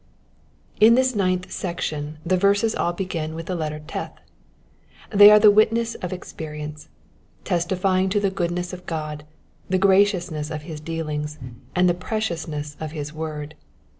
In this ninth section the yerscs all begin with the letter Teth. They are the witness of experience, testifying to the goodness of God, the graciousness of his dealings, and the preciousness of his word.